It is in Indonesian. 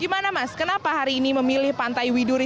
gimana mas kenapa hari ini memilih pantai widuri